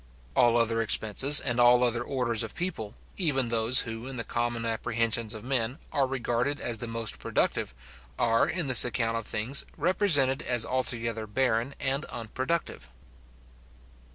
All other expenses, and all other orders of people, even those who, in the common apprehensions of men, are regarded as the most productive, are, in this account of things, represented as altogether barren and unproductive.